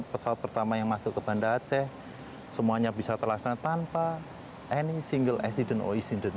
pesawat pertama yang masuk ke bandar aceh semuanya bisa terlaksana tanpa any single accident or incident